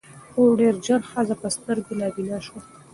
خو ډېر ژر ښځه په سترګو نابینا سوه